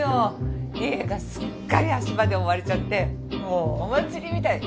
家がすっかり足場で覆われちゃってもうお祭りみたい。